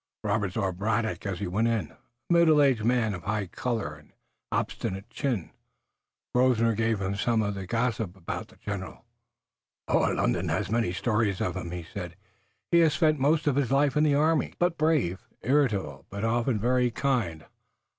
Robert saw Braddock as he went in, a middle aged man of high color and an obstinate chin. Grosvenor gave him some of the gossip about the general. "London has many stories of him," he said. "He has spent most of his life in the army. He is a gambler, but brave, rough but generous, irritable, but often very kind.